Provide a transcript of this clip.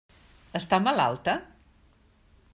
Està malalta?